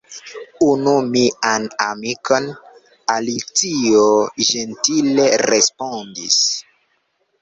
"Unu mian amikon," Alicio ĝentile respondis.